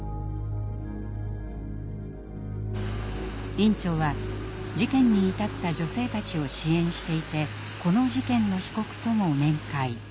院長は事件に至った女性たちを支援していてこの事件の被告とも面会。